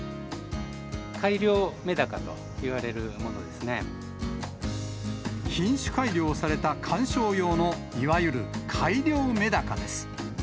改良メダカといわれるもので品種改良された鑑賞用の、いわゆる改良メダカです。